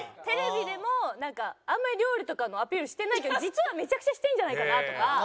テレビでもなんかあんまり料理とかのアピールしてないけど実はめちゃくちゃしてるんじゃないかなとか。